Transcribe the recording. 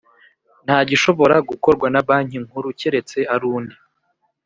Nta gishobora gukorwa na Banki Nkuru keretse arundi